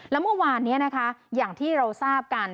แล้วเมื่อวานนี้นะคะอย่างที่เราทราบกัน